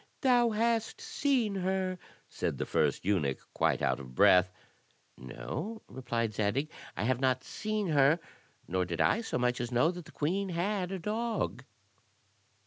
"Thou hast seen her," said the first eunuch, quite out of breath. "No," replied Zadig, "I have not seen her, nor did I so much as know that the queen had a dog."